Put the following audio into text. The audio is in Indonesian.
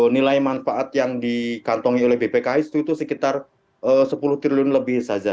nilai manfaat yang dikantongi oleh bpks itu sekitar sepuluh triliun lebih saja